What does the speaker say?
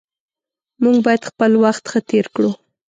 موږ باید خپل وخت ښه تیر کړو